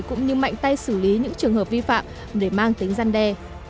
cũng như mạnh tay xử lý những trường hợp vi phạm để mang tính gian đe